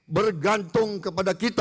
bergantung kepada kita